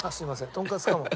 とんかつかも。